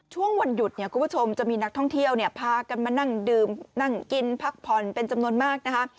ช่วงวันหยุดเนี่ยคุณผู้ชมจะมีนักท่องเที่ยวเนี่ยพากันมานั่งดื่มนั่งกินพักผ่อนเป็นจำนวนมากนะคะ